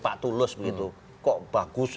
pak tulus begitu kok bagus